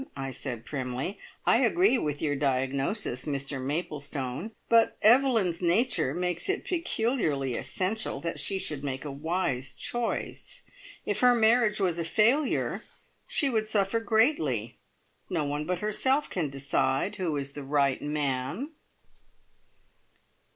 I said primly. "I agree with your diagnosis, Mr Maplestone, but Evelyn's nature makes it peculiarly essential that she should make a wise choice. If her marriage was a failure, she would suffer greatly. No one but herself can decide who is the Right Man."